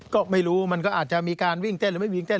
ก็ไม่รู้มันก็อาจจะมีการวิ่งเต้นหรือไม่วิ่งเต้น